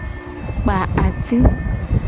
Kpa ati.